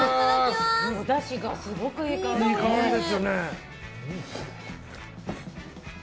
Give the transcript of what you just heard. おだしがすごくいい香りね。